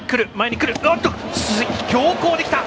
強行で、きた。